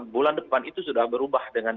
bulan depan itu sudah berubah dengan